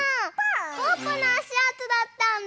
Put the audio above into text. ぽぅぽのあしあとだったんだ。